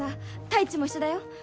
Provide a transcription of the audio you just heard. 太一も一緒だよ。